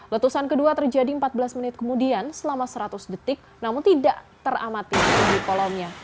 letusan kedua terjadi empat belas menit kemudian selama seratus detik namun tidak teramati di kolomnya